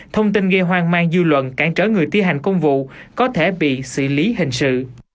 thông tin gây hoang mang dư luận cản trở người thi hành công vụ có thể bị xử lý hình sự